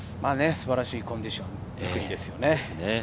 素晴らしいコンディション作りですよね。